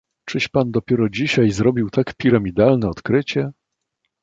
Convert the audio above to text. "czyś pan dopiero dzisiaj zrobił tak piramidalne odkrycie?..."